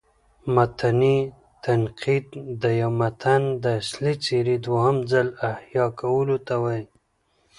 متني تنقید: د یو متن د اصلي څېرې دوهم ځل احیا کولو ته وايي.